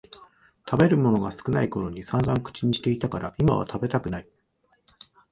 食べるものが少ないころにさんざん口にしてたから今は食べたくない